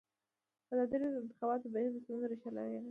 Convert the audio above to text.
ازادي راډیو د د انتخاباتو بهیر د ستونزو رېښه بیان کړې.